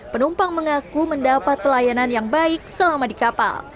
penumpang mengaku mendapat pelayanan yang baik selama di kapal